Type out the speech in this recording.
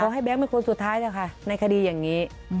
ขอให้แบ๊งก์เป็นคนสุดท้ายนะคะในคดีอย่างนี้